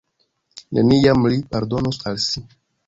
Neniam li pardonus al si.